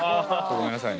ごめんなさいね。